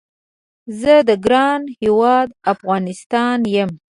زه د ګران هیواد افغانستان یم